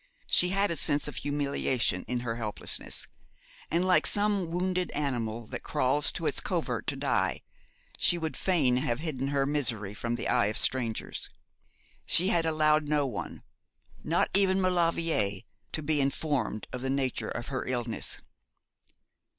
She had a sense of humiliation in her helplessness, and, like some wounded animal that crawls to its covert to die, she would fain have hidden her misery from the eye of strangers. She had allowed no one, not even Maulevrier, to be informed of the nature of her illness.